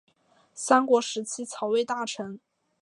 三国时期曹魏大臣。